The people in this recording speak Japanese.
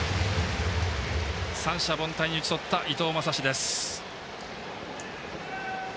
三者凡退に打ち取った伊藤将司。